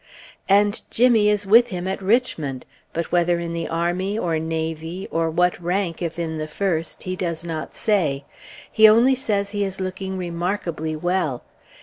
And Jimmy is with him at Richmond; but whether in the army, or navy, or what rank if in the first, he does not say; he only says he is looking remarkably well.